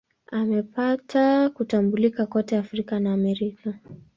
Amepata kutambuliwa kote Afrika na Amerika.